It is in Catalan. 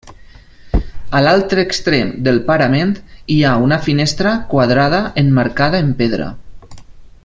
A l'altre extrem del parament hi ha una finestra quadrada emmarcada en pedra.